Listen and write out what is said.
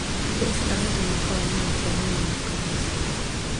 دا اصطلاحات او مفاهیم انساني او مقدس دي.